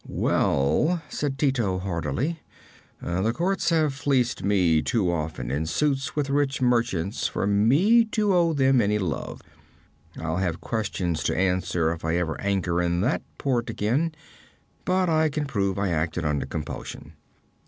'Well,' said Tito hardily, 'the courts have fleeced me too often in suits with rich merchants for me to owe them any love. I'll have questions to answer if I ever anchor in that port again, but I can prove I acted under compulsion.